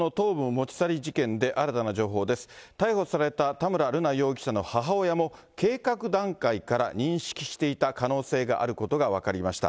逮捕された田村瑠奈容疑者の母親も、計画段階から認識していた可能性があることが分かりました。